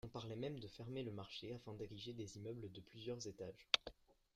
On parlait même de fermer le marché, afin d'ériger des immeubles de plusieurs étages.